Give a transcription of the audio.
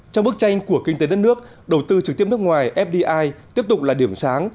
trong bức tranh của kinh tế đất nước đầu tư trực tiếp nước ngoài fdi tiếp tục là điểm sáng